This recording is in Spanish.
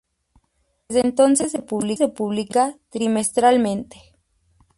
Desde entonces, se publica trimestralmente.